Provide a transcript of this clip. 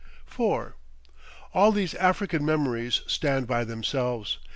IV All these African memories stand by themselves.